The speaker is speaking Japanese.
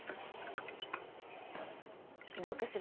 どうかしら？